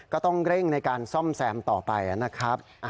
ก็ต้องเร่งในการซ่อมแซมต่อไปนะครับ